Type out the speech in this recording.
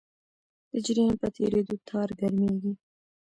د جریان په تېرېدو تار ګرمېږي.